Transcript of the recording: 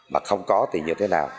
mà không có thì như thế nào